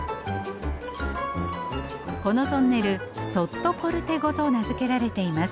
このトンネルソットポルテゴと名付けられています。